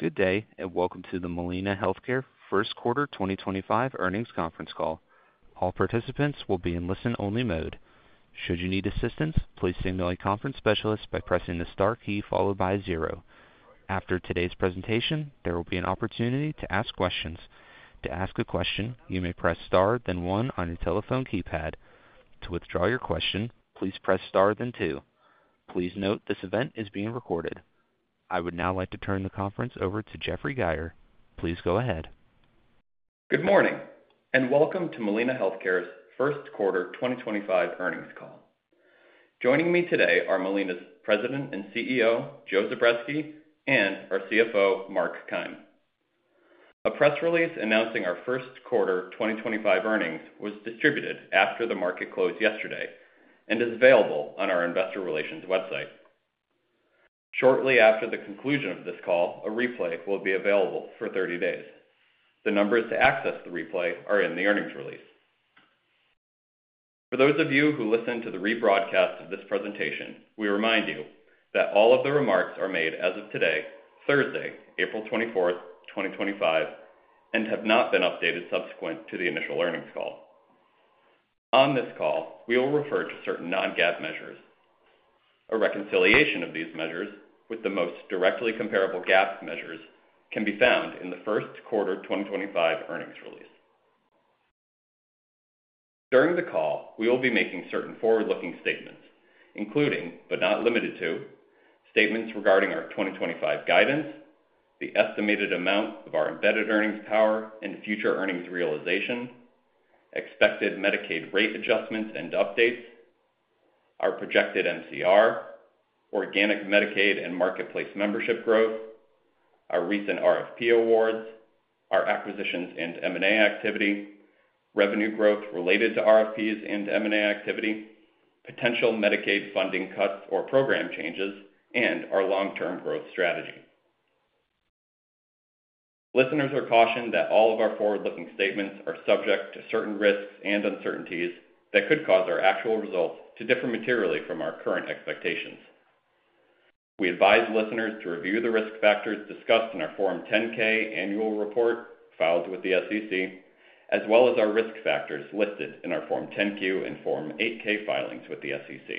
Good day, and welcome to the Molina Healthcare First Quarter 2025 Earnings Conference Call. All participants will be in listen-only mode. Should you need assistance, please signal a conference specialist by pressing the star key followed by a zero. After today's presentation, there will be an opportunity to ask questions. To ask a question, you may press star, then one on your telephone keypad. To withdraw your question, please press star, then two. Please note this event is being recorded. I would now like to turn the conference over to Jeffrey Geyer. Please go ahead. Good morning, and welcome to Molina Healthcare's First Quarter 2025 Earnings Call. Joining me today are Molina's President and CEO, Joe Zubretsky, and our CFO, Mark Keim. A press release announcing our First Quarter 2025 earnings was distributed after the market closed yesterday and is available on our investor relations website. Shortly after the conclusion of this call, a replay will be available for 30 days. The numbers to access the replay are in the earnings release. For those of you who listen to the rebroadcast of this presentation, we remind you that all of the remarks are made as of today, Thursday, April 24th, 2025, and have not been updated subsequent to the initial earnings call. On this call, we will refer to certain non-GAAP measures. A reconciliation of these measures with the most directly comparable GAAP measures can be found in the First Quarter 2025 earnings release. During the call, we will be making certain forward-looking statements, including, but not limited to, statements regarding our 2025 guidance, the estimated amount of our embedded earnings power and future earnings realization, expected Medicaid rate adjustments and updates, our projected MCR, organic Medicaid and Marketplace membership growth, our recent RFP awards, our acquisitions and M&A activity, revenue growth related to RFPs and M&A activity, potential Medicaid funding cuts or program changes, and our long-term growth strategy. Listeners are cautioned that all of our forward-looking statements are subject to certain risks and uncertainties that could cause our actual results to differ materially from our current expectations. We advise listeners to review the risk factors discussed in our Form 10-K annual report filed with the SEC, as well as our risk factors listed in our Form 10-Q and Form 8-K filings with the SEC.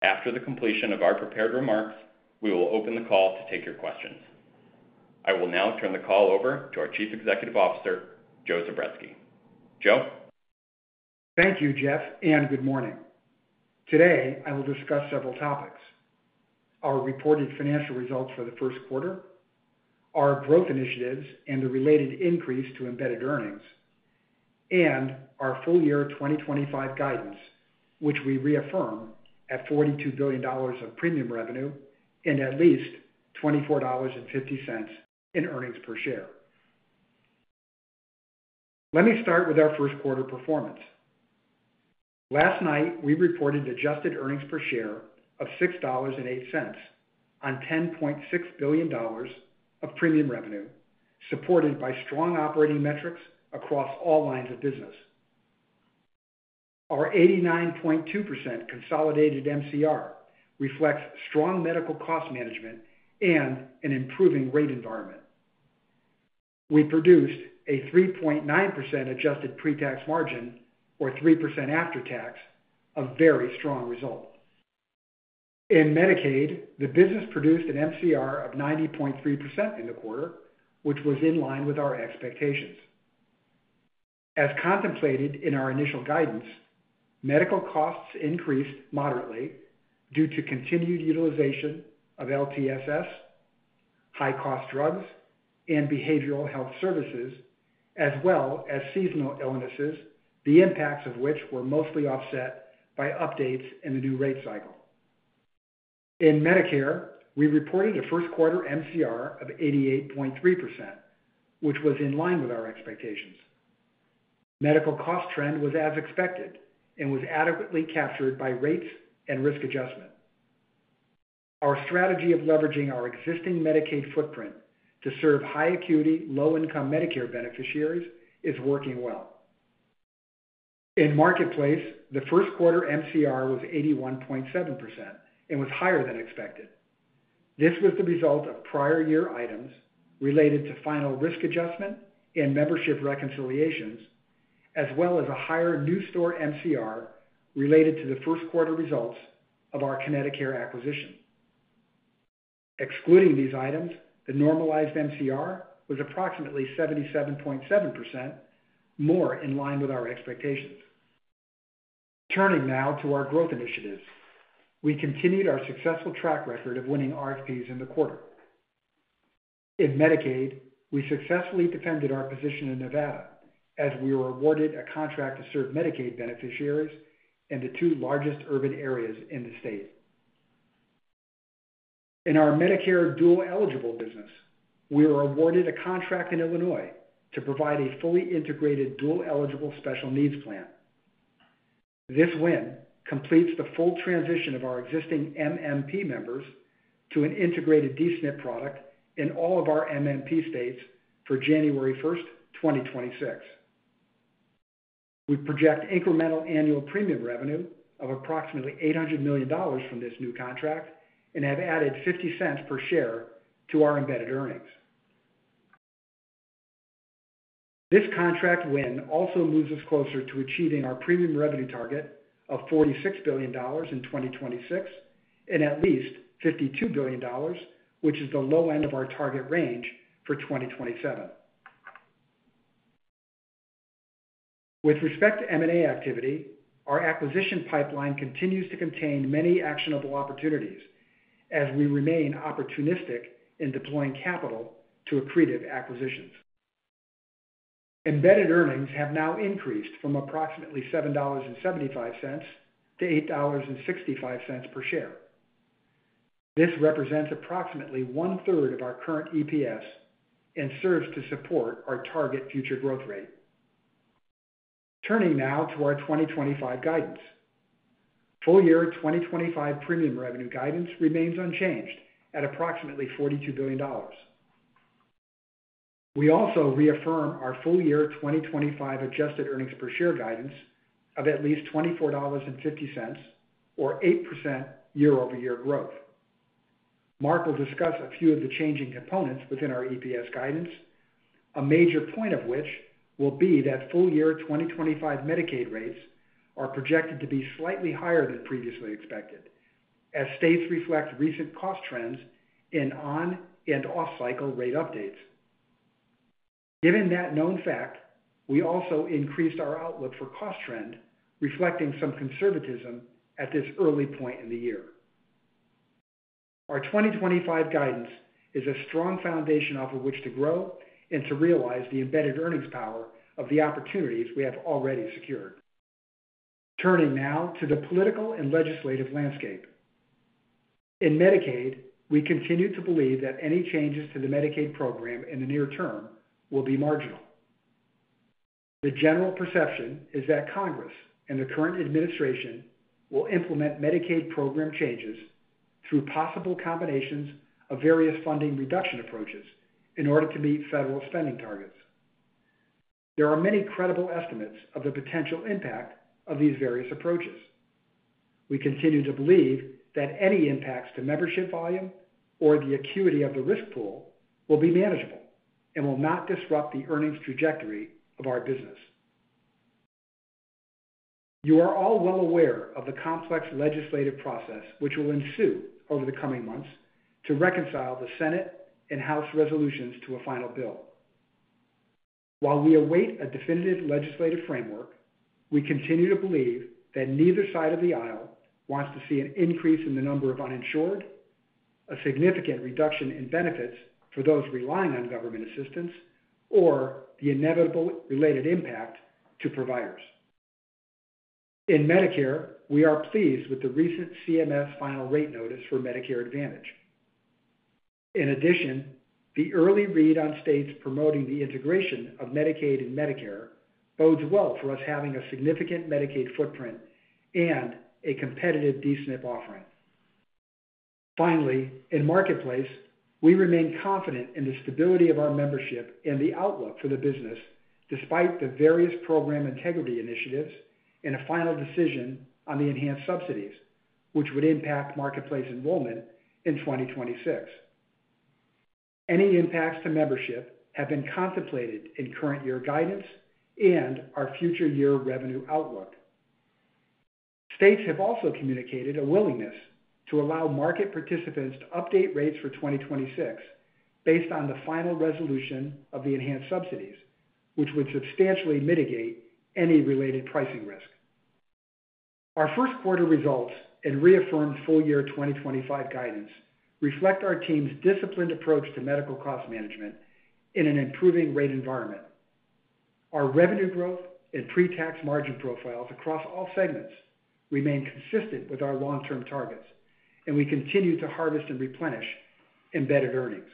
After the completion of our prepared remarks, we will open the call to take your questions. I will now turn the call over to our Chief Executive Officer, Joe Zubretsky. Joe? Thank you, Jeff, and good morning. Today, I will discuss several topics: our reported financial results for the first quarter, our growth initiatives and the related increase to embedded earnings, and our full year 2025 guidance, which we reaffirm at $42 billion of premium revenue and at least $24.50 in earnings per share. Let me start with our first quarter performance. Last night, we reported adjusted earnings per share of $6.08 on $10.6 billion of premium revenue, supported by strong operating metrics across all lines of business. Our 89.2% consolidated MCR reflects strong medical cost management and an improving rate environment. We produced a 3.9% adjusted pre-tax margin, or 3% after tax, a very strong result. In Medicaid, the business produced an MCR of 90.3% in the quarter, which was in line with our expectations. As contemplated in our initial guidance, medical costs increased moderately due to continued utilization of LTSS, high-cost drugs, and behavioral health services, as well as seasonal illnesses, the impacts of which were mostly offset by updates in the new rate cycle. In Medicare, we reported a first quarter MCR of 88.3%, which was in line with our expectations. Medical cost trend was as expected and was adequately captured by rates and risk adjustment. Our strategy of leveraging our existing Medicaid footprint to serve high-acuity, low-income Medicare beneficiaries is working well. In Marketplace, the first quarter MCR was 81.7% and was higher than expected. This was the result of prior year items related to final risk adjustment and membership reconciliations, as well as a higher new store MCR related to the first quarter results of our ConnectiCare acquisition. Excluding these items, the normalized MCR was approximately 77.7%, more in line with our expectations. Turning now to our growth initiatives, we continued our successful track record of winning RFPs in the quarter. In Medicaid, we successfully defended our position in Nevada as we were awarded a contract to serve Medicaid beneficiaries in the two largest urban areas in the state. In our Medicare dual eligible business, we were awarded a contract in Illinois to provide a fully integrated dual eligible special needs plan. This win completes the full transition of our existing MMP members to an integrated DSNP product in all of our MMP states for January 1, 2026. We project incremental annual premium revenue of approximately $800 million from this new contract and have added $0.50 per share to our embedded earnings. This contract win also moves us closer to achieving our premium revenue target of $46 billion in 2026 and at least $52 billion, which is the low end of our target range for 2027. With respect to M&A activity, our acquisition pipeline continues to contain many actionable opportunities as we remain opportunistic in deploying capital to accretive acquisitions. Embedded earnings have now increased from approximately $7.75 to $8.65 per share. This represents approximately one-third of our current EPS and serves to support our target future growth rate. Turning now to our 2025 guidance, full year 2025 premium revenue guidance remains unchanged at approximately $42 billion. We also reaffirm our full year 2025 adjusted earnings per share guidance of at least $24.50, or 8% year-over-year growth. Mark will discuss a few of the changing components within our EPS guidance, a major point of which will be that full year 2025 Medicaid rates are projected to be slightly higher than previously expected, as states reflect recent cost trends in on- and off-cycle rate updates. Given that known fact, we also increased our outlook for cost trend, reflecting some conservatism at this early point in the year. Our 2025 guidance is a strong foundation off of which to grow and to realize the embedded earnings power of the opportunities we have already secured. Turning now to the political and legislative landscape. In Medicaid, we continue to believe that any changes to the Medicaid program in the near term will be marginal. The general perception is that Congress and the current administration will implement Medicaid program changes through possible combinations of various funding reduction approaches in order to meet federal spending targets. There are many credible estimates of the potential impact of these various approaches. We continue to believe that any impacts to membership volume or the acuity of the risk pool will be manageable and will not disrupt the earnings trajectory of our business. You are all well aware of the complex legislative process which will ensue over the coming months to reconcile the Senate and House resolutions to a final bill. While we await a definitive legislative framework, we continue to believe that neither side of the aisle wants to see an increase in the number of uninsured, a significant reduction in benefits for those relying on government assistance, or the inevitable related impact to providers. In Medicare, we are pleased with the recent CMS final rate notice for Medicare Advantage. In addition, the early read on states promoting the integration of Medicaid and Medicare bodes well for us having a significant Medicaid footprint and a competitive DSNP offering. Finally, in marketplace, we remain confident in the stability of our membership and the outlook for the business despite the various program integrity initiatives and a final decision on the enhanced subsidies, which would impact marketplace enrollment in 2026. Any impacts to membership have been contemplated in current year guidance and our future year revenue outlook. States have also communicated a willingness to allow market participants to update rates for 2026 based on the final resolution of the enhanced subsidies, which would substantially mitigate any related pricing risk. Our first quarter results and reaffirmed full year 2025 guidance reflect our team's disciplined approach to medical cost management in an improving rate environment. Our revenue growth and pre-tax margin profiles across all segments remain consistent with our long-term targets, and we continue to harvest and replenish embedded earnings.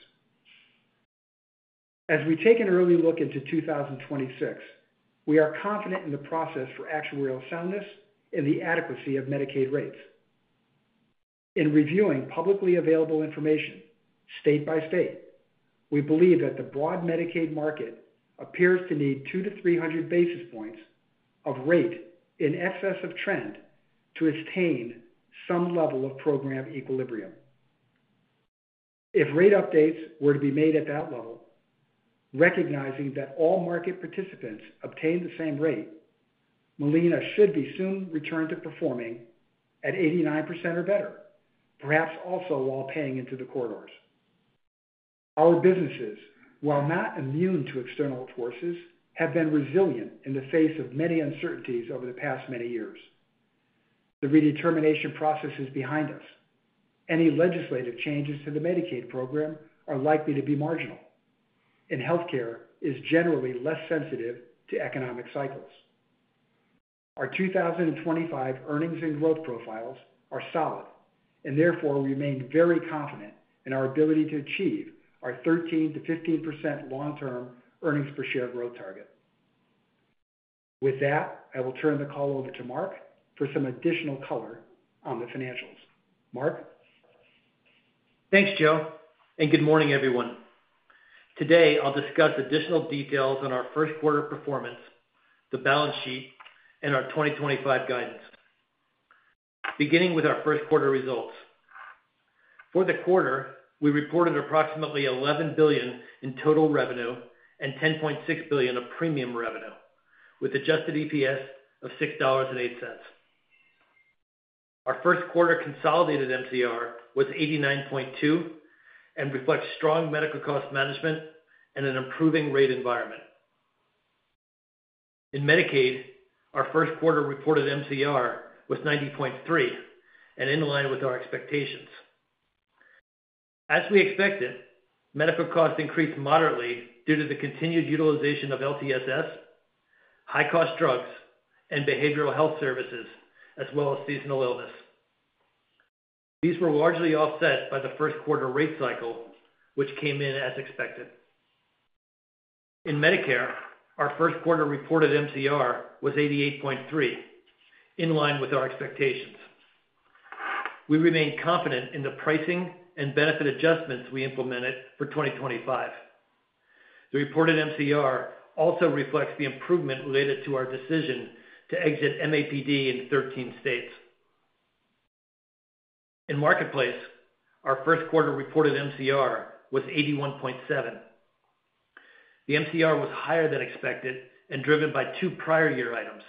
As we take an early look into 2026, we are confident in the process for actuarial soundness and the adequacy of Medicaid rates. In reviewing publicly available information state by state, we believe that the broad Medicaid market appears to need 200-300 basis points of rate in excess of trend to attain some level of program equilibrium. If rate updates were to be made at that level, recognizing that all market participants obtain the same rate, Molina should be soon returned to performing at 89% or better, perhaps also while paying into the corridors. Our businesses, while not immune to external forces, have been resilient in the face of many uncertainties over the past many years. The redetermination process is behind us. Any legislative changes to the Medicaid program are likely to be marginal. Healthcare is generally less sensitive to economic cycles. Our 2025 earnings and growth profiles are solid, and therefore we remain very confident in our ability to achieve our 13%-15% long-term earnings per share growth target. With that, I will turn the call over to Mark for some additional color on the financials. Mark? Thanks, Joe, and good morning, everyone. Today, I'll discuss additional details on our first quarter performance, the balance sheet, and our 2025 guidance. Beginning with our first quarter results. For the quarter, we reported approximately $11 billion in total revenue and $10.6 billion of premium revenue, with adjusted EPS of $6.08. Our first quarter consolidated MCR was 89.2% and reflects strong medical cost management and an improving rate environment. In Medicaid, our first quarter reported MCR was 90.3% and in line with our expectations. As we expected, medical costs increased moderately due to the continued utilization of LTSS, high-cost drugs, and behavioral health services, as well as seasonal illness. These were largely offset by the first quarter rate cycle, which came in as expected. In Medicare, our first quarter reported MCR was 88.3%, in line with our expectations. We remain confident in the pricing and benefit adjustments we implemented for 2025. The reported MCR also reflects the improvement related to our decision to exit MAPD in 13 states. In Marketplace, our first quarter reported MCR was 81.7%. The MCR was higher than expected and driven by two prior year items: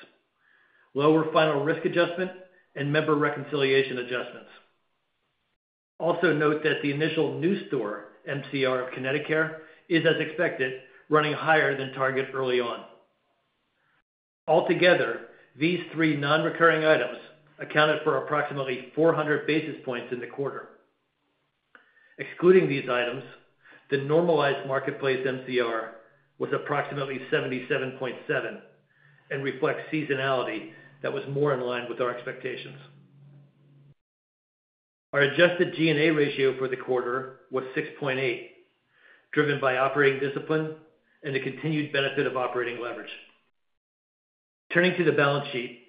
lower final risk adjustment and member reconciliation adjustments. Also note that the initial new store MCR of ConnectiCare is, as expected, running higher than target early on. Altogether, these three non-recurring items accounted for approximately 400 basis points in the quarter. Excluding these items, the normalized marketplace MCR was approximately 77.7% and reflects seasonality that was more in line with our expectations. Our adjusted G&A ratio for the quarter was 6.8%, driven by operating discipline and the continued benefit of operating leverage. Turning to the balance sheet,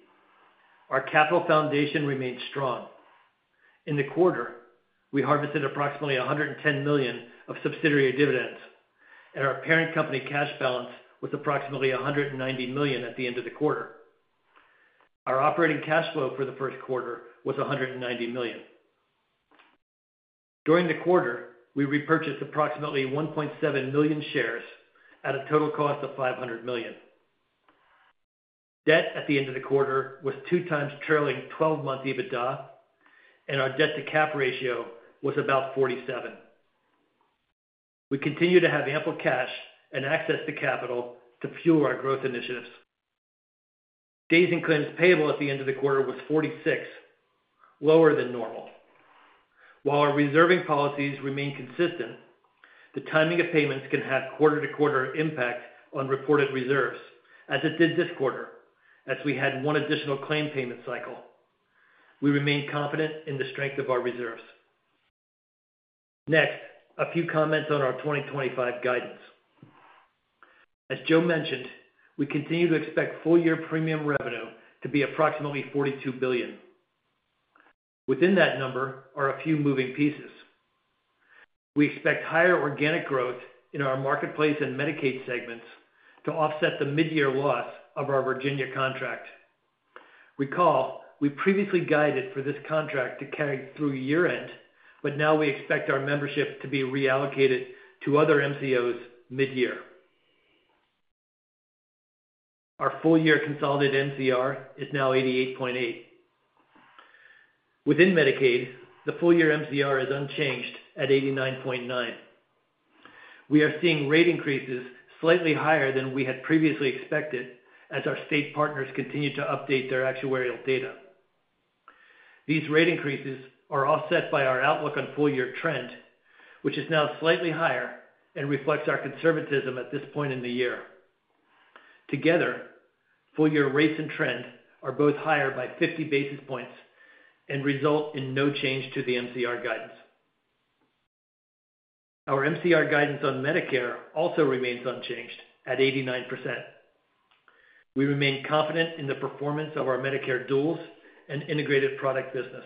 our capital foundation remained strong. In the quarter, we harvested approximately $110 million of subsidiary dividends, and our parent company cash balance was approximately $190 million at the end of the quarter. Our operating cash flow for the first quarter was $190 million. During the quarter, we repurchased approximately 1.7 million shares at a total cost of $500 million. Debt at the end of the quarter was two times trailing 12-month EBITDA, and our debt-to-cap ratio was about 47%. We continue to have ample cash and access to capital to fuel our growth initiatives. Days and claims payable at the end of the quarter was 46, lower than normal. While our reserving policies remain consistent, the timing of payments can have quarter-to-quarter impact on reported reserves, as it did this quarter, as we had one additional claim payment cycle. We remain confident in the strength of our reserves. Next, a few comments on our 2025 guidance. As Joe mentioned, we continue to expect full year premium revenue to be approximately $42 billion. Within that number are a few moving pieces. We expect higher organic growth in our marketplace and Medicaid segments to offset the mid-year loss of our Virginia contract. Recall, we previously guided for this contract to carry through year-end, but now we expect our membership to be reallocated to other MCOs mid-year. Our full year consolidated MCR is now 88.8%. Within Medicaid, the full year MCR is unchanged at 89.9%. We are seeing rate increases slightly higher than we had previously expected as our state partners continue to update their actuarial data. These rate increases are offset by our outlook on full year trend, which is now slightly higher and reflects our conservatism at this point in the year. Together, full year rate and trend are both higher by 50 basis points and result in no change to the MCR guidance. Our MCR guidance on Medicare also remains unchanged at 89%. We remain confident in the performance of our Medicare duals and integrated product business.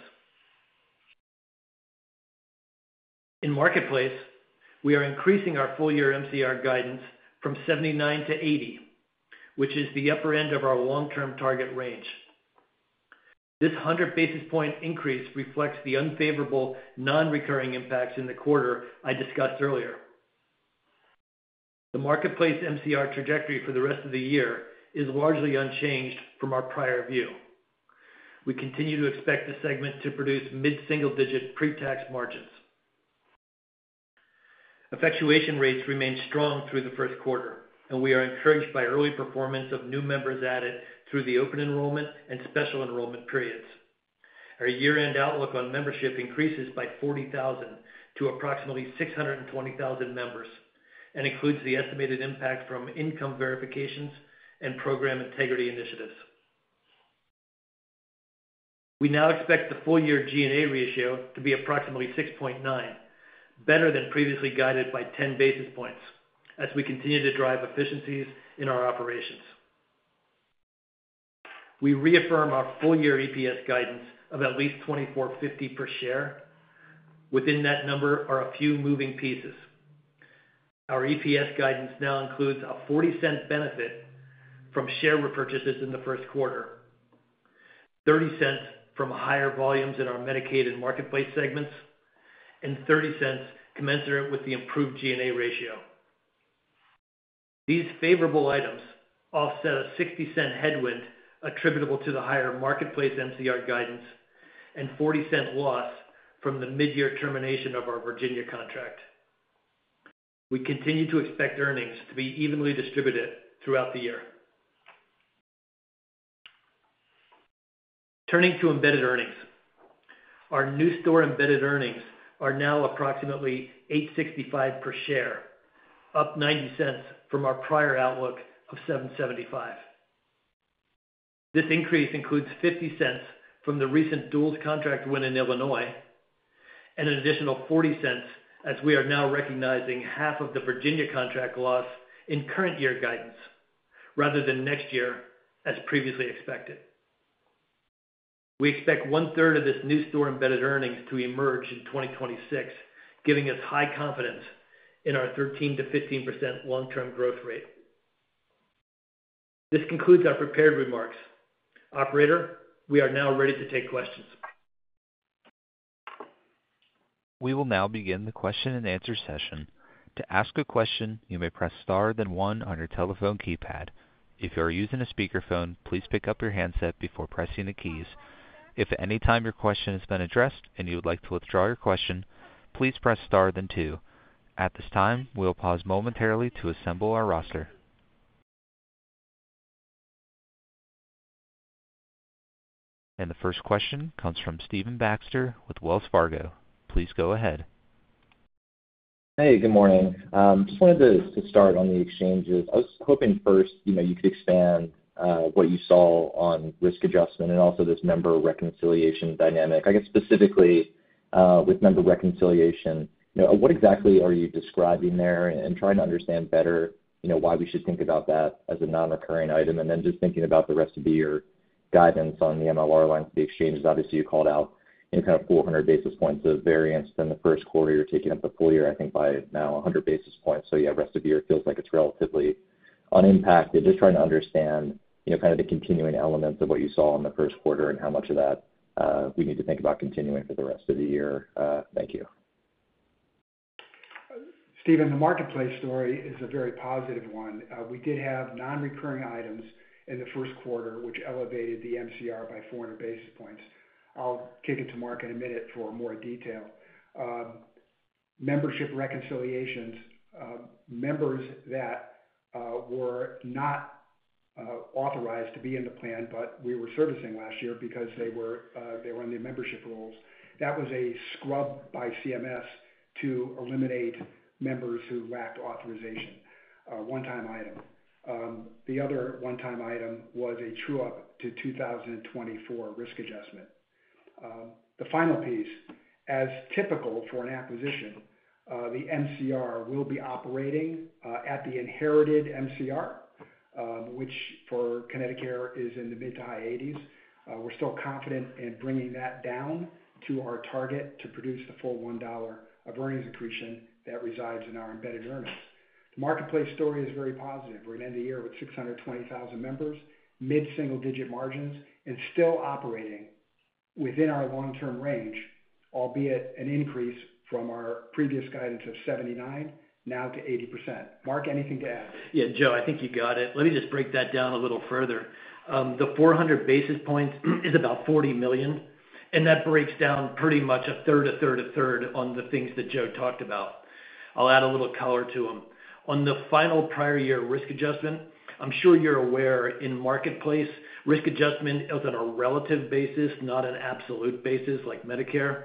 In marketplace, we are increasing our full year MCR guidance from 79% to 80%, which is the upper end of our long-term target range. This 100 basis point increase reflects the unfavorable non-recurring impacts in the quarter I discussed earlier. The marketplace MCR trajectory for the rest of the year is largely unchanged from our prior view. We continue to expect the segment to produce mid-single-digit pre-tax margins. Effectuation rates remain strong through the first quarter, and we are encouraged by early performance of new members added through the open enrollment and special enrollment periods. Our year-end outlook on membership increases by 40,000 to approximately 620,000 members and includes the estimated impact from income verifications and program integrity initiatives. We now expect the full year G&A ratio to be approximately 6.9%, better than previously guided by 10 basis points as we continue to drive efficiencies in our operations. We reaffirm our full year EPS guidance of at least $24.50 per share. Within that number are a few moving pieces. Our EPS guidance now includes a $0.40 benefit from share repurchases in the first quarter, $0.30 from higher volumes in our Medicaid and marketplace segments, and $0.30 commensurate with the improved G&A ratio. These favorable items offset a $0.60 headwind attributable to the higher marketplace MCR guidance and $0.40 loss from the mid-year termination of our Virginia contract. We continue to expect earnings to be evenly distributed throughout the year. Turning to embedded earnings, our new store embedded earnings are now approximately $8.65 per share, up $0.90 from our prior outlook of $7.75. This increase includes $0.50 from the recent duals contract win in Illinois and an additional $0.40 as we are now recognizing half of the Virginia contract loss in current year guidance rather than next year as previously expected. We expect one-third of this new store embedded earnings to emerge in 2026, giving us high confidence in our 13%-15% long-term growth rate. This concludes our prepared remarks. Operator, we are now ready to take questions. We will now begin the question-and-answer session. To ask a question, you may press star then one on your telephone keypad. If you are using a speakerphone, please pick up your handset before pressing the keys. If at any time your question has been addressed and you would like to withdraw your question, please press star then two. At this time, we will pause momentarily to assemble our roster. The first question comes from Stephen Baxter with Wells Fargo. Please go ahead. Hey, good morning. Just wanted to start on the exchanges. I was hoping first you could expand what you saw on risk adjustment and also this member reconciliation dynamic. I guess specifically with member reconciliation, what exactly are you describing there and trying to understand better why we should think about that as a non-recurring item? Just thinking about the rest of the year guidance on the MLR lines of the exchanges, obviously you called out kind of 400 basis points of variance. In the first quarter, you're taking up the full year, I think by now 100 basis points. Rest of the year feels like it's relatively unimpacted. Just trying to understand kind of the continuing elements of what you saw in the first quarter and how much of that we need to think about continuing for the rest of the year. Thank you. Stephen, the marketplace story is a very positive one. We did have non-recurring items in the first quarter, which elevated the MCR by 400 basis points. I'll kick it to Mark in a minute for more detail. Membership reconciliations, members that were not authorized to be in the plan, but we were servicing last year because they were in the membership rolls. That was a scrub by CMS to eliminate members who lacked authorization, a one-time item. The other one-time item was a true-up to 2024 risk adjustment. The final piece, as typical for an acquisition, the MCR will be operating at the inherited MCR, which for Connecticut is in the mid to high 80s. We're still confident in bringing that down to our target to produce the full $1 of earnings accretion that resides in our embedded earnings. The marketplace story is very positive. We're going to end the year with 620,000 members, mid-single-digit margins, and still operating within our long-term range, albeit an increase from our previous guidance of 79%, now to 80%. Mark, anything to add? Yeah, Joe, I think you got it. Let me just break that down a little further. The 400 basis points is about $40 million, and that breaks down pretty much a third, a third, a third on the things that Joe talked about. I'll add a little color to them. On the final prior year risk adjustment, I'm sure you're aware, in marketplace, risk adjustment is on a relative basis, not an absolute basis like Medicare.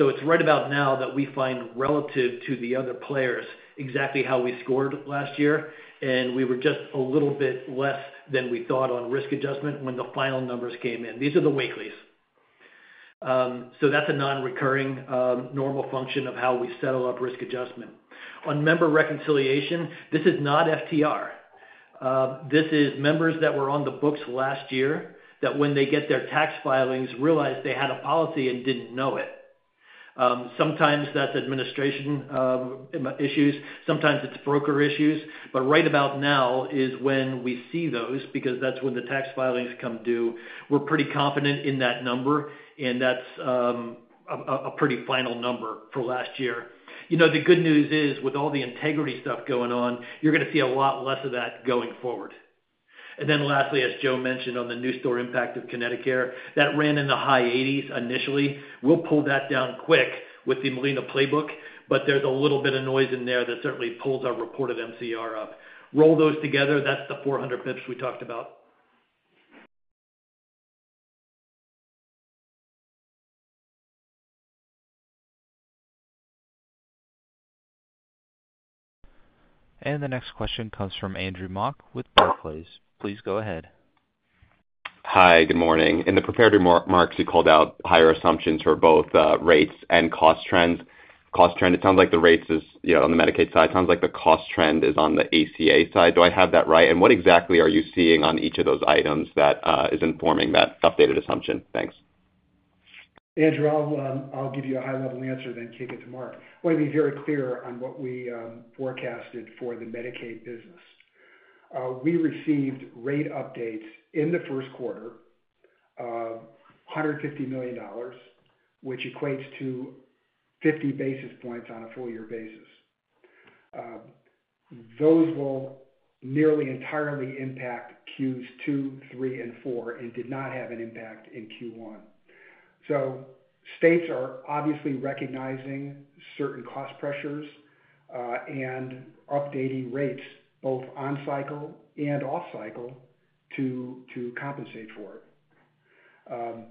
It is right about now that we find relative to the other players exactly how we scored last year, and we were just a little bit less than we thought on risk adjustment when the final numbers came in. These are the weeklies. That is a non-recurring normal function of how we settle up risk adjustment. On member reconciliation, this is not FTR. This is members that were on the books last year that when they get their tax filings, realize they had a policy and didn't know it. Sometimes that's administration issues. Sometimes it's broker issues. Right about now is when we see those because that's when the tax filings come due. We're pretty confident in that number, and that's a pretty final number for last year. The good news is, with all the integrity stuff going on, you're going to see a lot less of that going forward. Lastly, as Joe mentioned on the new store impact of Connecticut, that ran in the high 80s initially. We'll pull that down quick with the Molina Playbook, but there's a little bit of noise in there that certainly pulls our reported MCR up. Roll those together, that's the 400 basis points we talked about. The next question comes from Andrew Mok with Barclays. Please go ahead. Hi, good morning. In the prepared remarks, you called out higher assumptions for both rates and cost trends. Cost trend, it sounds like the rates is on the Medicaid side. It sounds like the cost trend is on the ACA side. Do I have that right? What exactly are you seeing on each of those items that is informing that updated assumption? Thanks. Andrew, I'll give you a high-level answer, then kick it to Mark. I want to be very clear on what we forecasted for the Medicaid business. We received rate updates in the first quarter, $150 million, which equates to 50 basis points on a full year basis. Those will nearly entirely impact Qs two, three, and four and did not have an impact in Q1. States are obviously recognizing certain cost pressures and updating rates both on cycle and off cycle to compensate for it.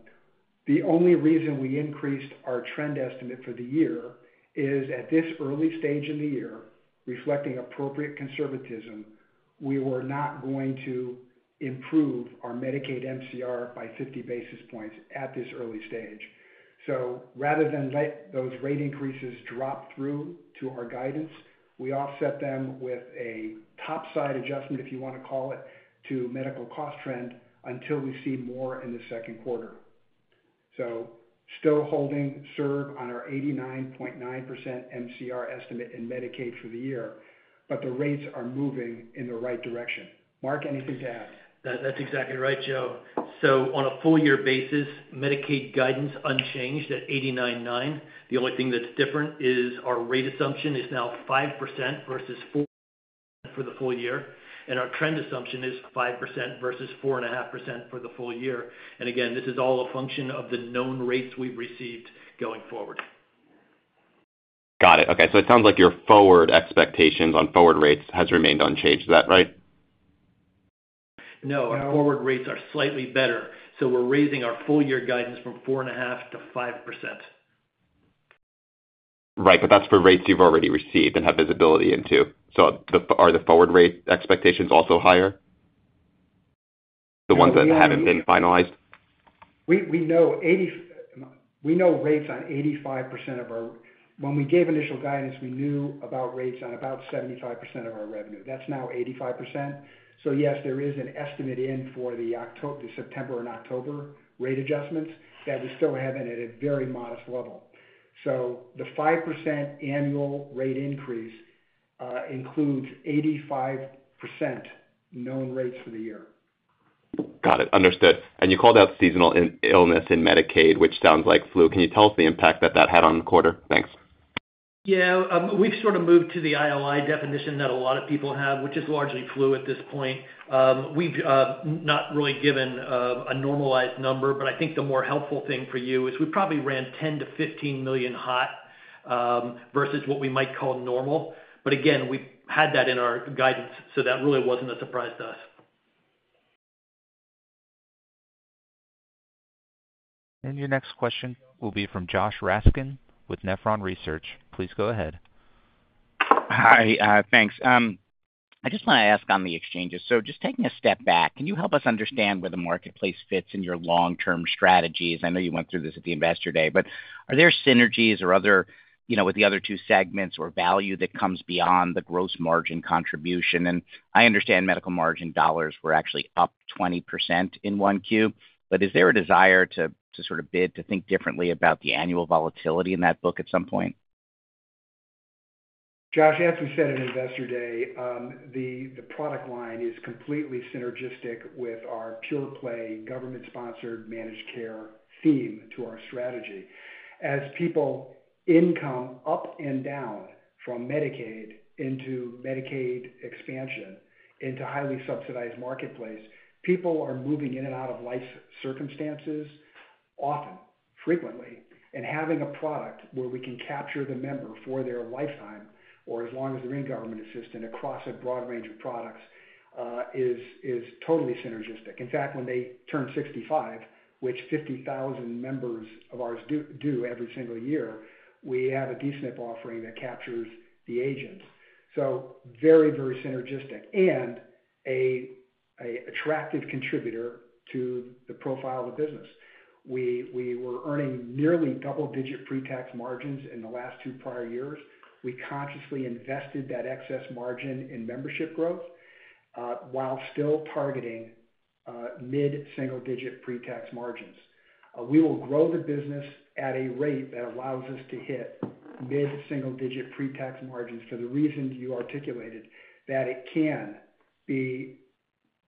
The only reason we increased our trend estimate for the year is at this early stage in the year, reflecting appropriate conservatism, we were not going to improve our Medicaid MCR by 50 basis points at this early stage. Rather than let those rate increases drop through to our guidance, we offset them with a topside adjustment, if you want to call it, to medical cost trend until we see more in the second quarter. Still holding serve on our 89.9% MCR estimate in Medicaid for the year, but the rates are moving in the right direction. Mark, anything to add? That's exactly right, Joe. On a full year basis, Medicaid guidance unchanged at 89.9. The only thing that's different is our rate assumption is now 5% versus 4% for the full year, and our trend assumption is 5% versus 4.5% for the full year. Again, this is all a function of the known rates we've received going forward. Got it. Okay. It sounds like your forward expectations on forward rates have remained unchanged. Is that right? No, our forward rates are slightly better. We're raising our full year guidance from 4.5% to 5%. Right, but that's for rates you've already received and have visibility into. Are the forward rate expectations also higher, the ones that haven't been finalized? We know rates on 85% of our when we gave initial guidance, we knew about rates on about 75% of our revenue. That's now 85%. Yes, there is an estimate in for the September and October rate adjustments that we still have at a very modest level. The 5% annual rate increase includes 85% known rates for the year. Got it. Understood. You called out seasonal illness in Medicaid, which sounds like flu. Can you tell us the impact that that had on the quarter? Thanks. Yeah. We've sort of moved to the ILI definition that a lot of people have, which is largely flu at this point. We've not really given a normalized number, but I think the more helpful thing for you is we probably ran $10 million-$15 million hot versus what we might call normal. Again, we had that in our guidance, so that really was not a surprise to us. Your next question will be from Josh Raskin with Oppenheimer Research. Please go ahead. Hi, thanks. I just want to ask on the exchanges. Just taking a step back, can you help us understand where the marketplace fits in your long-term strategies? I know you went through this at the Investor Day, but are there synergies or other with the other two segments or value that comes beyond the gross margin contribution? I understand medical margin dollars were actually up 20% in 1Q, but is there a desire to sort of bid, to think differently about the annual volatility in that book at some point? Josh, as we said at Investor Day, the product line is completely synergistic with our pure play government-sponsored managed care theme to our strategy. As people income up and down from Medicaid into Medicaid expansion, into highly subsidized Marketplace, people are moving in and out of life circumstances often, frequently, and having a product where we can capture the member for their lifetime or as long as they're in government assistant across a broad range of products is totally synergistic. In fact, when they turn 65, which 50,000 members of ours do every single year, we have a DSNP offering that captures the agents. So very, very synergistic and an attractive contributor to the profile of the business. We were earning nearly double-digit pre-tax margins in the last two prior years. We consciously invested that excess margin in membership growth while still targeting mid-single-digit pre-tax margins. We will grow the business at a rate that allows us to hit mid-single-digit pre-tax margins for the reason you articulated that it can be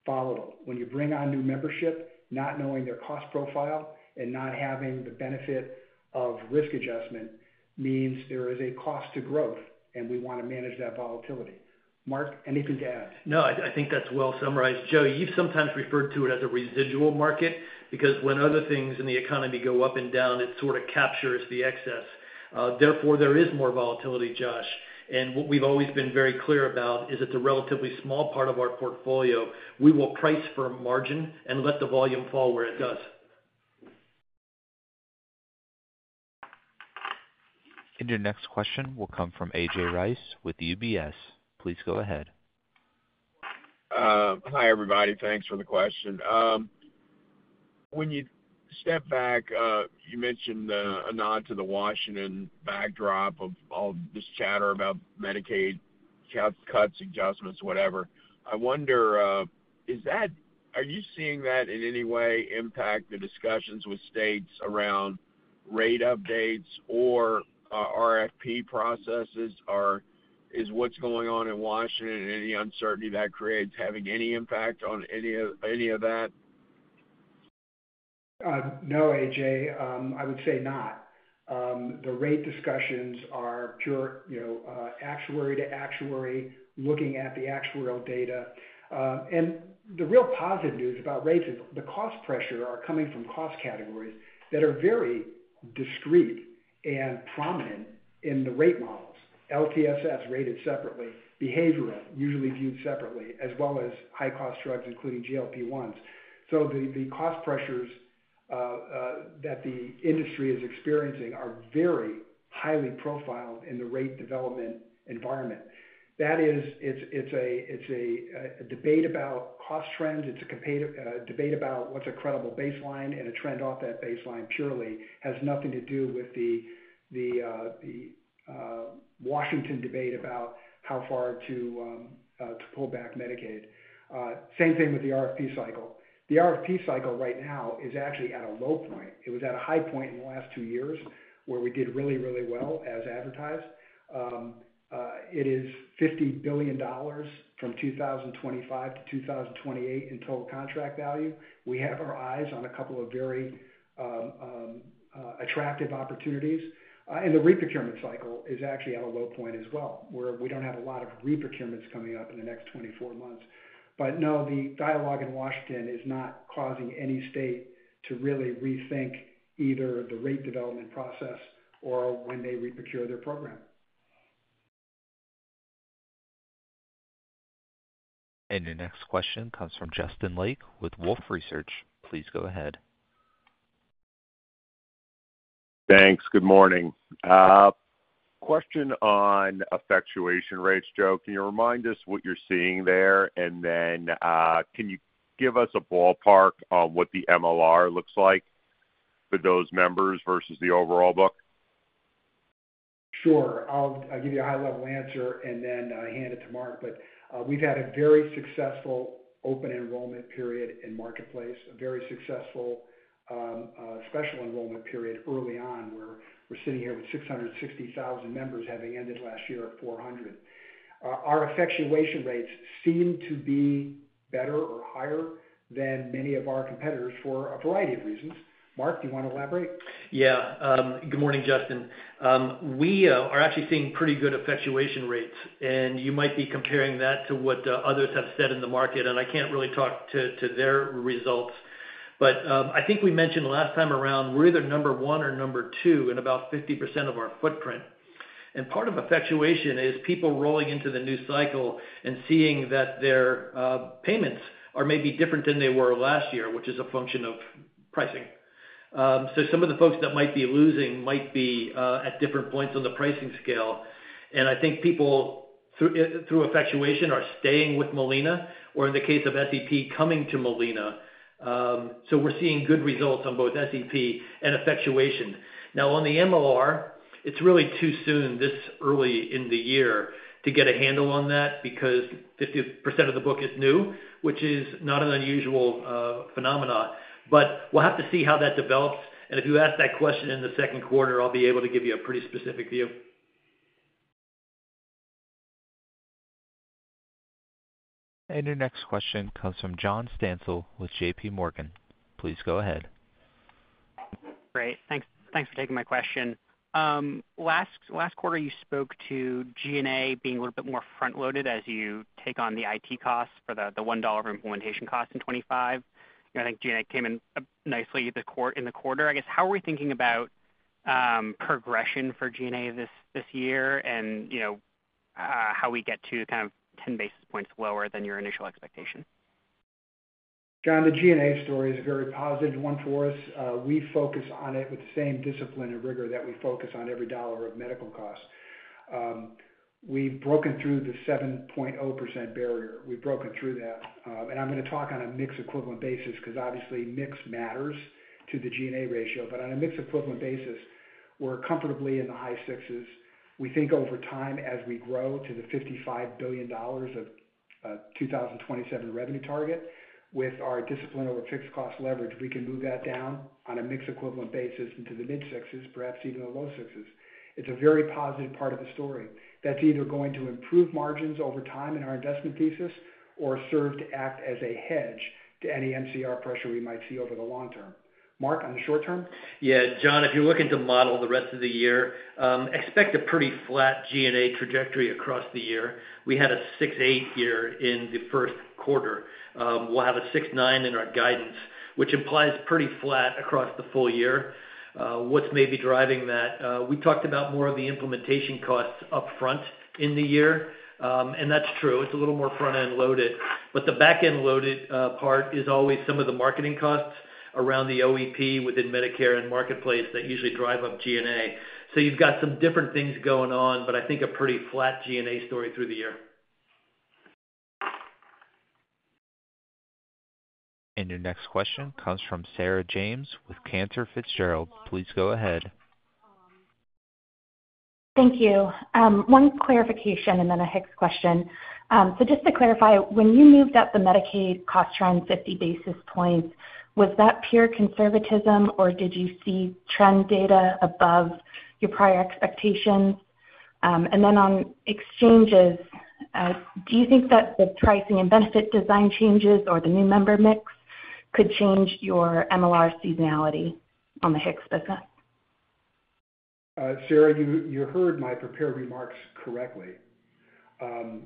volatile. When you bring on new membership, not knowing their cost profile and not having the benefit of risk adjustment means there is a cost to growth, and we want to manage that volatility. Mark, anything to add? No, I think that's well summarized. Joe, you've sometimes referred to it as a residual market because when other things in the economy go up and down, it sort of captures the excess. Therefore, there is more volatility, Josh. And what we've always been very clear about is it's a relatively small part of our portfolio. We will price for margin and let the volume fall where it does. Your next question will come from A.J. Rice with UBS. Please go ahead. Hi everybody. Thanks for the question. When you step back, you mentioned a nod to the Washington backdrop of all this chatter about Medicaid cuts, adjustments, whatever. I wonder, are you seeing that in any way impact the discussions with states around rate updates or RFP processes? Is what's going on in Washington and any uncertainty that creates having any impact on any of that? No, A.J., I would say not. The rate discussions are pure actuary to actuary looking at the actuarial data. The real positive news about rates is the cost pressure is coming from cost categories that are very discrete and prominent in the rate models. LTSS rated separately, behavioral usually viewed separately, as well as high-cost drugs including GLP-1s. The cost pressures that the industry is experiencing are very highly profiled in the rate development environment. That is, it's a debate about cost trends. It's a debate about what's a credible baseline, and a trend off that baseline purely has nothing to do with the Washington debate about how far to pull back Medicaid. Same thing with the RFP cycle. The RFP cycle right now is actually at a low point. It was at a high point in the last two years where we did really, really well as advertised. It is $50 billion from 2025 to 2028 in total contract value. We have our eyes on a couple of very attractive opportunities. The reprocurement cycle is actually at a low point as well, where we do not have a lot of reprocurements coming up in the next 24 months. No, the dialogue in Washington is not causing any state to really rethink either the rate development process or when they reprocure their program. Your next question comes from Justin Lake with Wolfe Research. Please go ahead. Thanks. Good morning. Question on effectuation rates. Joe, can you remind us what you're seeing there? And then can you give us a ballpark on what the MLR looks like for those members versus the overall book? Sure. I'll give you a high-level answer and then hand it to Mark. We've had a very successful open enrollment period in marketplace, a very successful special enrollment period early on where we're sitting here with 660,000 members having ended last year at 400,000. Our effectuation rates seem to be better or higher than many of our competitors for a variety of reasons. Mark, do you want to elaborate? Yeah. Good morning, Justin. We are actually seeing pretty good effectuation rates. You might be comparing that to what others have said in the market, and I can't really talk to their results. I think we mentioned last time around, we're either number one or number two in about 50% of our footprint. Part of effectuation is people rolling into the new cycle and seeing that their payments are maybe different than they were last year, which is a function of pricing. Some of the folks that might be losing might be at different points on the pricing scale. I think people through effectuation are staying with Molina or, in the case of SEP, coming to Molina. We're seeing good results on both SEP and effectuation. Now, on the MLR, it's really too soon this early in the year to get a handle on that because 50% of the book is new, which is not an unusual phenomenon. We will have to see how that develops. If you ask that question in the second quarter, I'll be able to give you a pretty specific view. Your next question comes from John Stancil with JP Morgan. Please go ahead. Great. Thanks for taking my question. Last quarter, you spoke to G&A being a little bit more front-loaded as you take on the IT costs for the $1 implementation cost in 2025. I think G&A came in nicely in the quarter. I guess, how are we thinking about progression for G&A this year and how we get to kind of 10 basis points lower than your initial expectation? John, the G&A story is a very positive one for us. We focus on it with the same discipline and rigor that we focus on every dollar of medical costs. We've broken through the 7.0% barrier. We've broken through that. I'm going to talk on a mixed-equivalent basis because obviously mix matters to the G&A ratio. On a mixed-equivalent basis, we're comfortably in the high sixes. We think over time as we grow to the $55 billion of 2027 revenue target with our discipline over fixed cost leverage, we can move that down on a mixed-equivalent basis into the mid-sixes, perhaps even the low sixes. It's a very positive part of the story. That's either going to improve margins over time in our investment thesis or serve to act as a hedge to any MCR pressure we might see over the long term. Mark, on the short term? Yeah. John, if you're looking to model the rest of the year, expect a pretty flat G&A trajectory across the year. We had a 6.8% year in the first quarter. We'll have a 6.9% in our guidance, which implies pretty flat across the full year. What's maybe driving that? We talked about more of the implementation costs upfront in the year, and that's true. It's a little more front-end loaded. The back-end loaded part is always some of the marketing costs around the OEP within Medicare and marketplace that usually drive up G&A. You have some different things going on, but I think a pretty flat G&A story through the year. Your next question comes from Sarah James with Cantor Fitzgerald. Please go ahead. Thank you. One clarification and then a HIX question. Just to clarify, when you moved up the Medicaid cost trend 50 basis points, was that pure conservatism or did you see trend data above your prior expectations? On exchanges, do you think that the pricing and benefit design changes or the new member mix could change your MLR seasonality on the HIX business? Sarah, you heard my prepared remarks correctly. In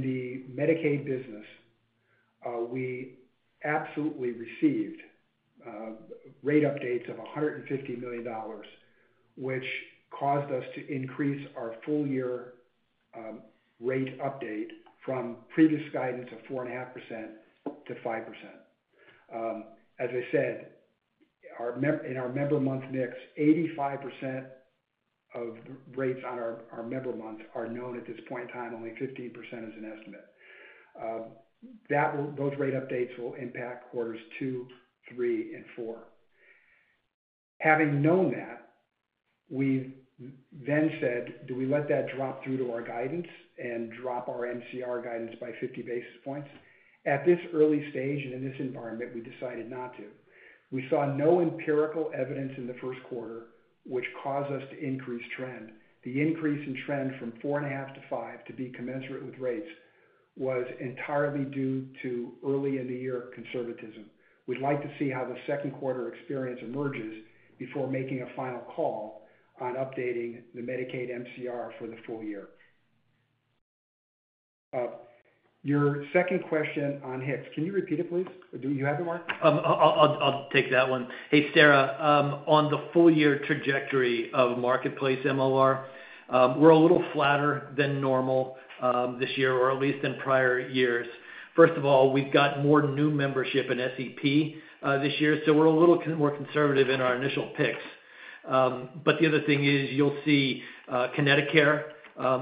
the Medicaid business, we absolutely received rate updates of $150 million, which caused us to increase our full-year rate update from previous guidance of 4.5% to 5%. As I said, in our member month mix, 85% of rates on our member months are known at this point in time, only 15% is an estimate. Those rate updates will impact quarters two, three, and four. Having known that, we then said, "Do we let that drop through to our guidance and drop our MCR guidance by 50 basis points?" At this early stage and in this environment, we decided not to. We saw no empirical evidence in the first quarter, which caused us to increase trend. The increase in trend from 4.5 to five to be commensurate with rates was entirely due to early in the year conservatism. We'd like to see how the second quarter experience emerges before making a final call on updating the Medicaid MCR for the full year. Your second question on Hicks, can you repeat it, please? You have it, Mark? I'll take that one. Hey, Sarah, on the full-year trajectory of Marketplace MLR, we're a little flatter than normal this year, or at least in prior years. First of all, we've got more new membership in SEP this year, so we're a little more conservative in our initial picks. The other thing is you'll see Connecticut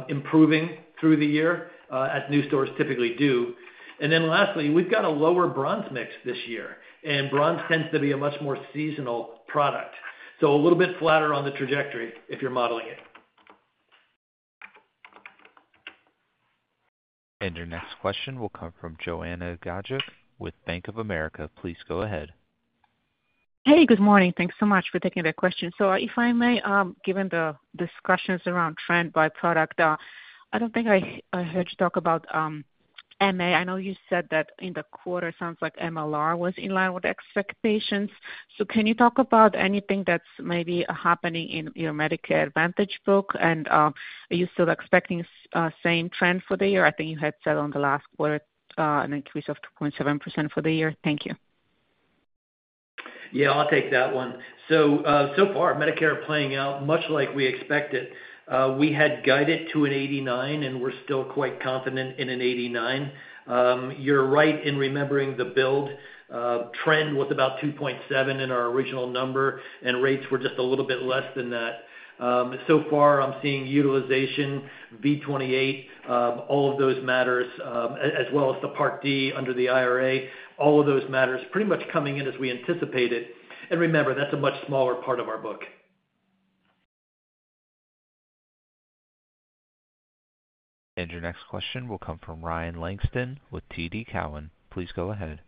improving through the year as new stores typically do. Lastly, we've got a lower bronze mix this year, and bronze tends to be a much more seasonal product. A little bit flatter on the trajectory if you're modeling it. Your next question will come from Joanna Gajuk with Bank of America. Please go ahead. Hey, good morning. Thanks so much for taking that question. If I may, given the discussions around trend by product, I don't think I heard you talk about MA. I know you said that in the quarter, it sounds like MLR was in line with expectations. Can you talk about anything that's maybe happening in your Medicare Advantage book? Are you still expecting the same trend for the year? I think you had said on the last quarter an increase of 2.7% for the year. Thank you. Yeah, I'll take that one. So far, Medicare is playing out much like we expected. We had guided to an 89, and we're still quite confident in an 89. You're right in remembering the build trend was about 2.7 in our original number, and rates were just a little bit less than that. I'm seeing utilization, V28, all of those matters, as well as the Part D under the IRA. All of those matters pretty much coming in as we anticipate it. Remember, that's a much smaller part of our book. Your next question will come from Ryan Langston with TD Cowen. Please go ahead.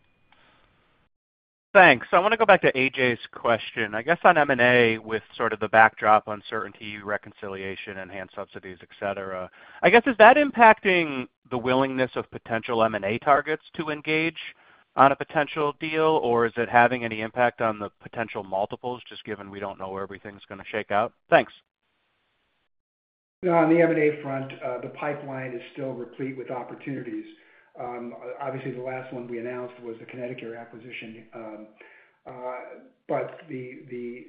Thanks. I want to go back to A.J's question. I guess on M&A with sort of the backdrop uncertainty, reconciliation, enhanced subsidies, etc., I guess, is that impacting the willingness of potential M&A targets to engage on a potential deal, or is it having any impact on the potential multiples, just given we don't know where everything's going to shake out? Thanks. On the M&A front, the pipeline is still replete with opportunities. Obviously, the last one we announced was the Connecticut acquisition, but the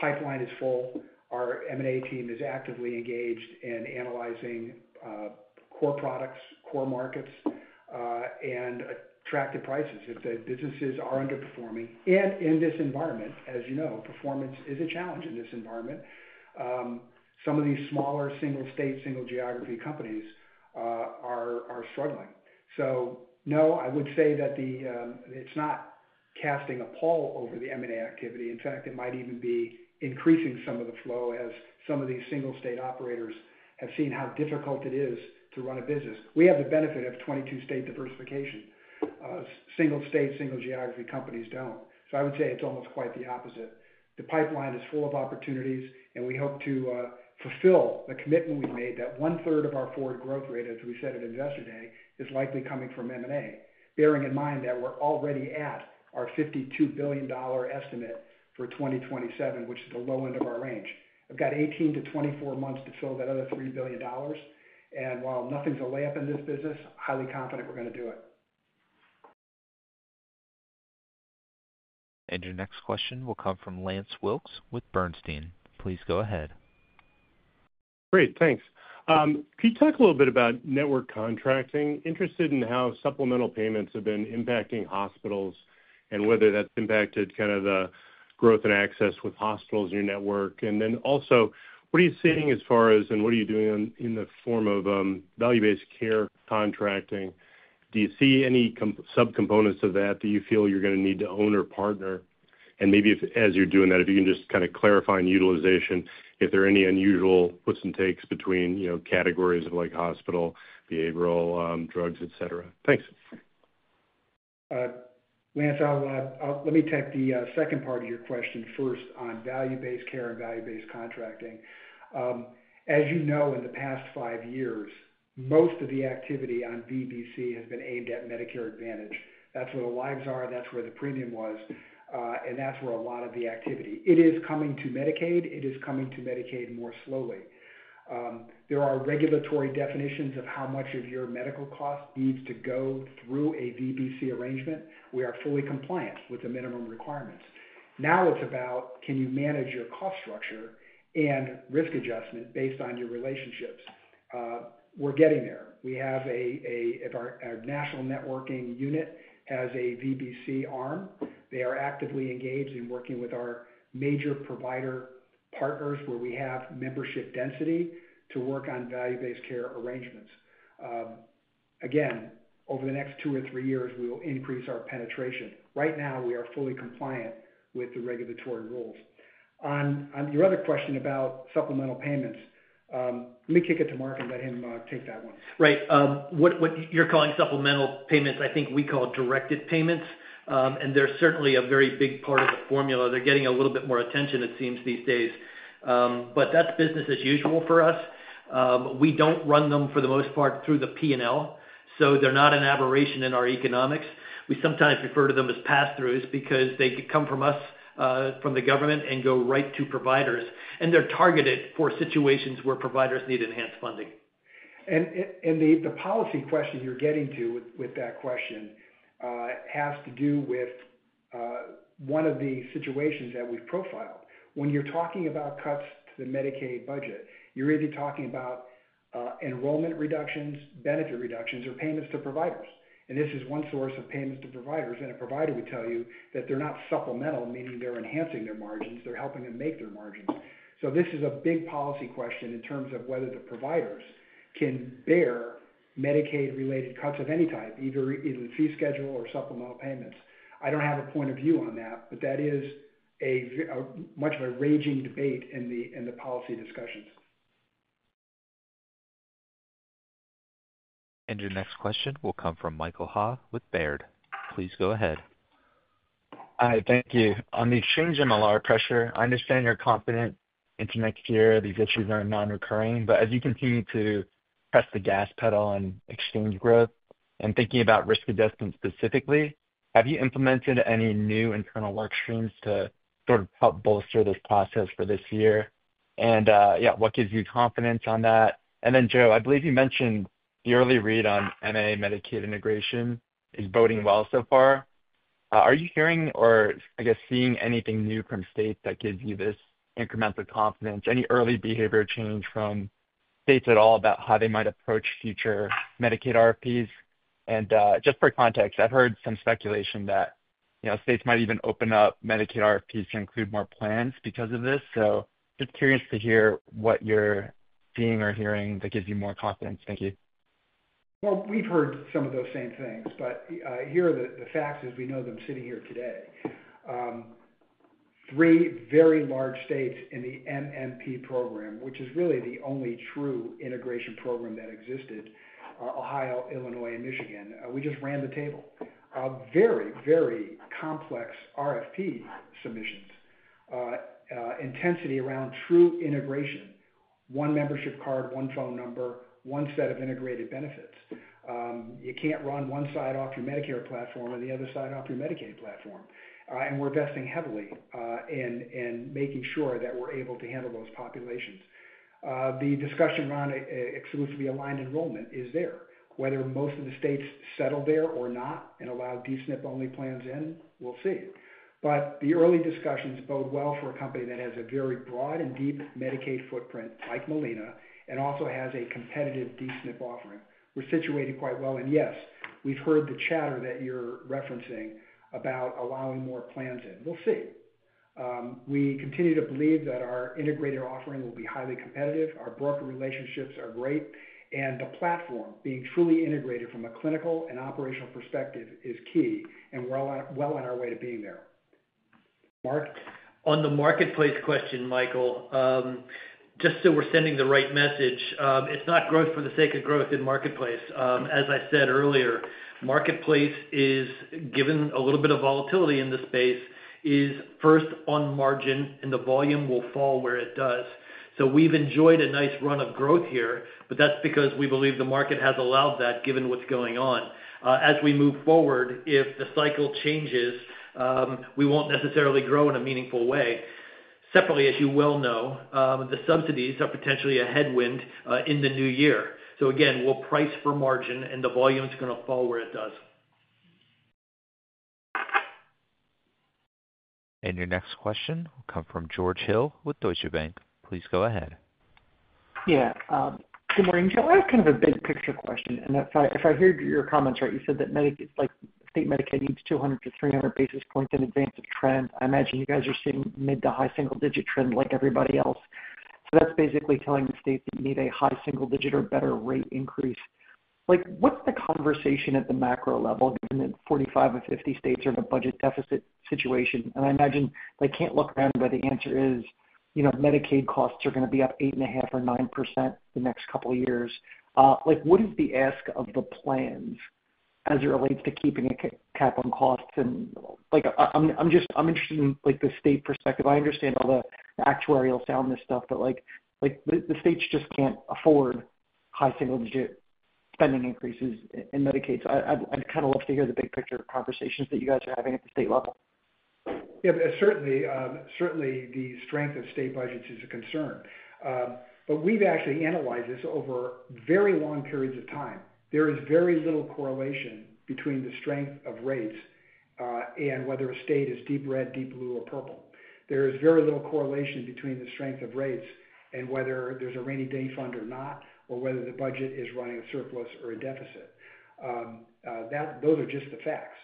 pipeline is full. Our M&A team is actively engaged in analyzing core products, core markets, and attractive prices if the businesses are underperforming. In this environment, as you know, performance is a challenge in this environment. Some of these smaller single-state, single-geography companies are struggling. No, I would say that it's not casting a pall over the M&A activity. In fact, it might even be increasing some of the flow as some of these single-state operators have seen how difficult it is to run a business. We have the benefit of 22-state diversification. Single-state, single-geography companies don't. I would say it's almost quite the opposite. The pipeline is full of opportunities, and we hope to fulfill the commitment we've made that one-third of our forward growth rate, as we said at Investor Day, is likely coming from M&A, bearing in mind that we're already at our $52 billion estimate for 2027, which is the low end of our range. We've got 18-24 months to fill that other $3 billion. While nothing's a layup in this business, I'm highly confident we're going to do it. Your next question will come from Lance Wilkes with Bernstein. Please go ahead. Great. Thanks. Can you talk a little bit about network contracting? Interested in how supplemental payments have been impacting hospitals and whether that's impacted kind of the growth and access with hospitals in your network. Also, what are you seeing as far as, and what are you doing in the form of value-based care contracting? Do you see any sub-components of that that you feel you're going to need to own or partner? Maybe as you're doing that, if you can just kind of clarify in utilization if there are any unusual puts and takes between categories of hospital, behavioral, drugs, etc. Thanks. Lance, let me take the second part of your question first on value-based care and value-based contracting. As you know, in the past five years, most of the activity on VBC has been aimed at Medicare Advantage. That's where the lives are. That's where the premium was. That's where a lot of the activity is. It is coming to Medicaid. It is coming to Medicaid more slowly. There are regulatory definitions of how much of your medical cost needs to go through a VBC arrangement. We are fully compliant with the minimum requirements. Now it's about, can you manage your cost structure and risk adjustment based on your relationships? We're getting there. We have our national networking unit as a VBC arm. They are actively engaged in working with our major provider partners where we have membership density to work on value-based care arrangements. Again, over the next two or three years, we will increase our penetration. Right now, we are fully compliant with the regulatory rules. On your other question about supplemental payments, let me kick it to Mark and let him take that one. Right. What you're calling supplemental payments, I think we call directed payments. They're certainly a very big part of the formula. They're getting a little bit more attention, it seems, these days. That is business as usual for us. We do not run them for the most part through the P&L, so they're not an aberration in our economics. We sometimes refer to them as pass-throughs because they come from us, from the government, and go right to providers. They're targeted for situations where providers need enhanced funding. The policy question you're getting to with that question has to do with one of the situations that we've profiled. When you're talking about cuts to the Medicaid budget, you're either talking about enrollment reductions, benefit reductions, or payments to providers. This is one source of payments to providers. A provider would tell you that they're not supplemental, meaning they're enhancing their margins. They're helping them make their margins. This is a big policy question in terms of whether the providers can bear Medicaid-related cuts of any type, either in the fee schedule or supplemental payments. I don't have a point of view on that, but that is much of a raging debate in the policy discussions. Your next question will come from Michael Ha with Baird. Please go ahead. Hi. Thank you. On the exchange MLR pressure, I understand you're confident into next year these issues are non-recurring. As you continue to press the gas pedal on exchange growth and thinking about risk adjustment specifically, have you implemented any new internal work streams to sort of help bolster this process for this year? Yeah, what gives you confidence on that? Joe, I believe you mentioned the early read on MA Medicaid integration is boding well so far. Are you hearing or, I guess, seeing anything new from states that gives you this incremental confidence? Any early behavior change from states at all about how they might approach future Medicaid RFPs? Just for context, I've heard some speculation that states might even open up Medicaid RFPs to include more plans because of this. Just curious to hear what you're seeing or hearing that gives you more confidence. Thank you. We've heard some of those same things, but here are the facts as we know them sitting here today. Three very large states in the MMP program, which is really the only true integration program that existed, are Ohio, Illinois, and Michigan. We just ran the table. Very, very complex RFP submissions, intensity around true integration. One membership card, one phone number, one set of integrated benefits. You can't run one side off your Medicare platform and the other side off your Medicaid platform. We're investing heavily in making sure that we're able to handle those populations. The discussion around exclusively aligned enrollment is there. Whether most of the states settle there or not and allow DSNP-only plans in, we'll see. The early discussions bode well for a company that has a very broad and deep Medicaid footprint like Molina and also has a competitive DSNP offering. We're situated quite well. Yes, we've heard the chatter that you're referencing about allowing more plans in. We'll see. We continue to believe that our integrated offering will be highly competitive. Our broker relationships are great. The platform being truly integrated from a clinical and operational perspective is key. We're well on our way to being there. Mark? On the marketplace question, Michael, just so we're sending the right message, it's not growth for the sake of growth in marketplace. As I said earlier, marketplace, given a little bit of volatility in the space, is first on margin, and the volume will fall where it does. We've enjoyed a nice run of growth here, but that's because we believe the market has allowed that given what's going on. As we move forward, if the cycle changes, we won't necessarily grow in a meaningful way. Separately, as you well know, the subsidies are potentially a headwind in the new year. Again, we'll price for margin, and the volume is going to fall where it does. Your next question will come from George Hill with Deutsche Bank. Please go ahead. Yeah. Good morning, Joe. I have kind of a big picture question. If I hear your comments right, you said that state Medicaid needs 200-300 basis points in advance of trend. I imagine you guys are seeing mid to high single-digit trend like everybody else. That is basically telling the states that you need a high single-digit or better rate increase. What is the conversation at the macro level given that 45 or 50 states are in a budget deficit situation? I imagine they cannot look around where the answer is Medicaid costs are going to be up 8.5% or 9% the next couple of years. What is the ask of the plans as it relates to keeping a cap on costs? I am interested in the state perspective. I understand all the actuarial soundness stuff, but the states just can't afford high single-digit spending increases in Medicaid. I would kind of love to hear the big picture conversations that you guys are having at the state level. Yeah. Certainly, the strength of state budgets is a concern. We've actually analyzed this over very long periods of time. There is very little correlation between the strength of rates and whether a state is deep red, deep blue, or purple. There is very little correlation between the strength of rates and whether there's a rainy day fund or not, or whether the budget is running a surplus or a deficit. Those are just the facts.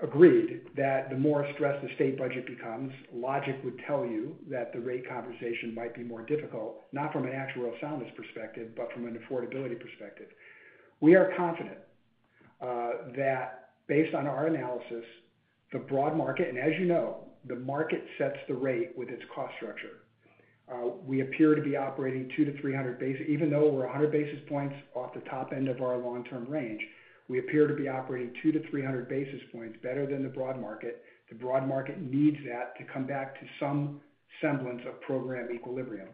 Agreed that the more stressed the state budget becomes, logic would tell you that the rate conversation might be more difficult, not from an actuarial soundness perspective, but from an affordability perspective. We are confident that based on our analysis, the broad market, and as you know, the market sets the rate with its cost structure. We appear to be operating 2-300 basis points. Even though we're 100 basis points off the top end of our long-term range, we appear to be operating 200-300 basis points better than the broad market. The broad market needs that to come back to some semblance of program equilibrium.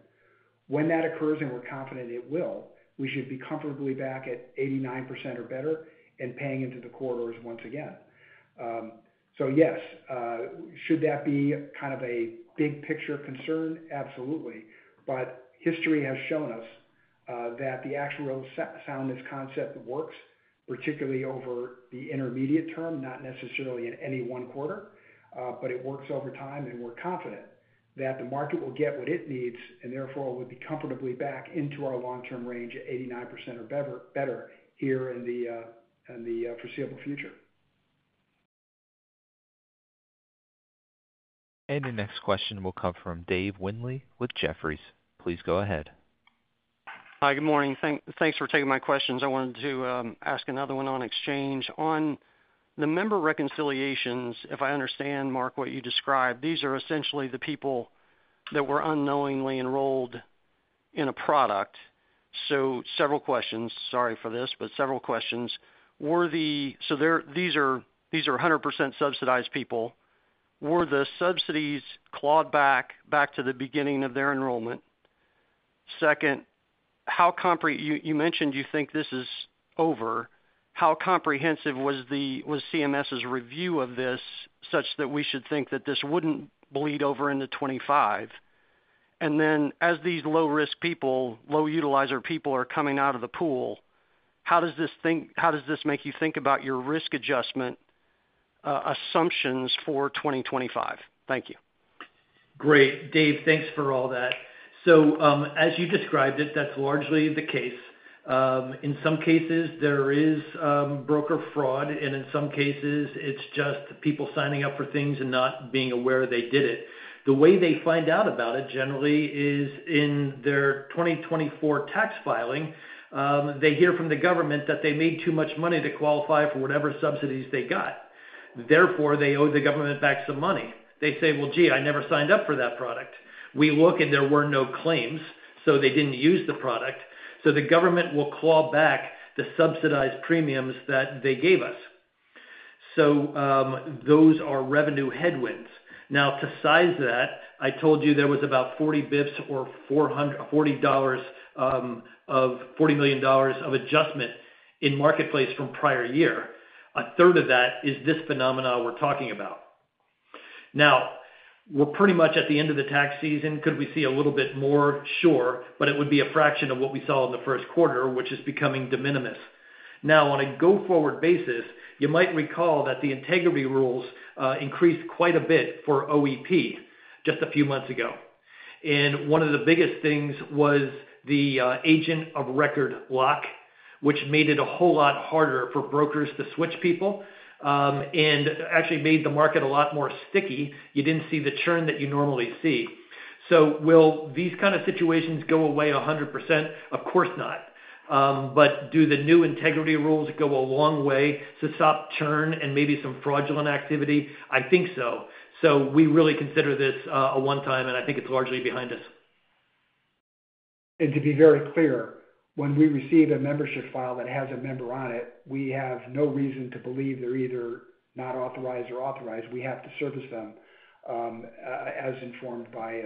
When that occurs and we're confident it will, we should be comfortably back at 89% or better and paying into the corridors once again. Yes, should that be kind of a big picture concern? Absolutely. History has shown us that the actuarial soundness concept works, particularly over the intermediate term, not necessarily in any one quarter, but it works over time. We're confident that the market will get what it needs and therefore will be comfortably back into our long-term range at 89% or better here in the foreseeable future. Your next question will come from Dave Windley with Jefferies. Please go ahead. Hi. Good morning. Thanks for taking my questions. I wanted to ask another one on exchange. On the member reconciliations, if I understand, Mark, what you described, these are essentially the people that were unknowingly enrolled in a product. Several questions, sorry for this, but several questions. These are 100% subsidized people. Were the subsidies clawed back to the beginning of their enrollment? You mentioned you think this is over. How comprehensive was CMS's review of this such that we should think that this would not bleed over into 2025? As these low-risk people, low-utilizer people are coming out of the pool, how does this make you think about your risk adjustment assumptions for 2025? Thank you. Great. Dave, thanks for all that. As you described it, that's largely the case. In some cases, there is broker fraud, and in some cases, it's just people signing up for things and not being aware they did it. The way they find out about it generally is in their 2024 tax filing. They hear from the government that they made too much money to qualify for whatever subsidies they got. Therefore, they owe the government back some money. They say, "Well, gee, I never signed up for that product." We look, and there were no claims, so they did not use the product. The government will claw back the subsidized premiums that they gave us. Those are revenue headwinds. Now, to size that, I told you there was about 40 basis points or $40 million of adjustment in marketplace from prior year. A third of that is this phenomenon we're talking about. Now, we're pretty much at the end of the tax season. Could we see a little bit more? Sure. It would be a fraction of what we saw in the first quarter, which is becoming de minimis. On a go-forward basis, you might recall that the integrity rules increased quite a bit for OEP just a few months ago. One of the biggest things was the agent of record lock, which made it a whole lot harder for brokers to switch people and actually made the market a lot more sticky. You didn't see the churn that you normally see. Will these kind of situations go away 100%? Of course not. Do the new integrity rules go a long way to stop churn and maybe some fraudulent activity? I think so. We really consider this a one-time, and I think it's largely behind us. To be very clear, when we receive a membership file that has a member on it, we have no reason to believe they're either not authorized or authorized. We have to service them as informed by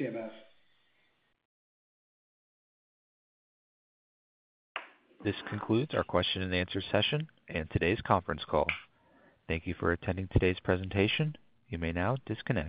CMS. This concludes our question-and-answer session and today's conference call. Thank you for attending today's presentation. You may now disconnect.